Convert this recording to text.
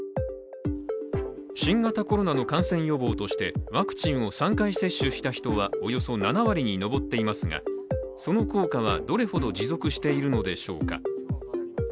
新型コロナの感染予防としてワクチンを３回接種した人はおよそ７割に上っていますがその効果はどれほど持続しているのでしょうか。